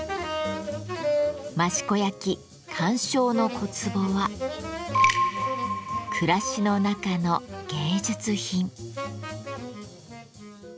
益子焼鑑賞の小壺は暮らしの中の芸術品。